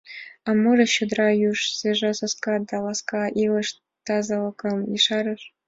А можыч, чодыра юж, свежа саска да ласка илыш тазалыкым ешарыш?